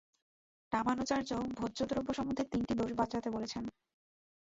রামানুজাচার্য ভোজ্যদ্রব্য সম্বন্ধে তিনটি দোষ বাঁচাতে বলছেন।